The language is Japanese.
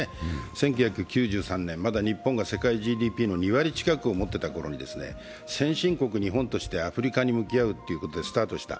１９９３年、まだ日本が世界ＧＤＰの２割近くを持っていた頃に先進国・日本としてアフリカに向き合うということでスタートした。